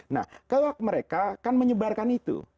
nah kalau mereka kan menyebarkan itu